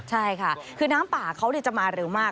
ใช่ค่ะคือน้ำป่าเขาจะมาเร็วมาก